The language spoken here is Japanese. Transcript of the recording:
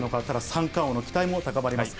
三冠王の期待も高まります。